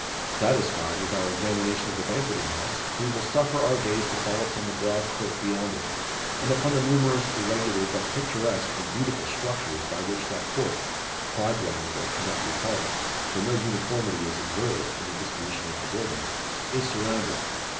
Satisfied with our examination of the Banqueting House, we will suffer our gaze to fall upon the broad court beyond it, and upon the numerous irregular but picturesque and beautiful structures by which that court quadrangle it cannot be called, for no uniformity is observed in the disposition of the buildings is surrounded.